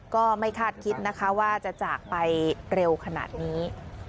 ก็ไม่คาดคิดนะคะว่าจะจากไปเร็วขนาดนี้